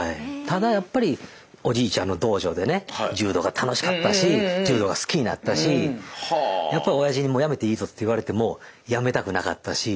ただやっぱりおじいちゃんの道場でね柔道が楽しかったし柔道が好きになったしやっぱおやじにもうやめていいぞって言われてもやめたくなかったし。